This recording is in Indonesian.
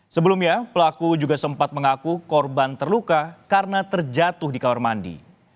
sebelumnya pelaku juga sempat mengaku korban terluka karena terjatuh di kamar mandi